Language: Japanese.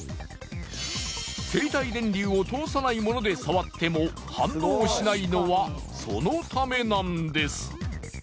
生体電流を通さない物で触っても反応しないのはそのためなんです。